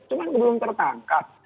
cuma itu belum tertangkap